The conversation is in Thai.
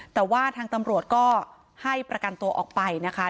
แต่ว่าทางตำรวจก็ให้ประกันตัวออกไปนะคะ